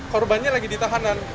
korbannya lagi di tahanan